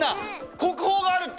国宝があるって！